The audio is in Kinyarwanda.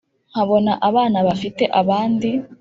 nkabona abana bafite abandi